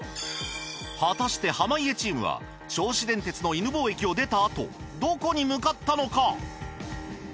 果たして濱家チームは銚子電鉄の犬吠駅を出たあとどこに向かったのか！？